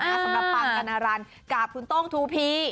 สำหรับปางกัณรันกับคุณโต้งทูพี